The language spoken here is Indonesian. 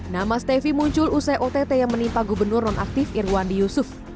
nama stefi muncul usai ott yang menimpa gubernur nonaktif irwandi yusuf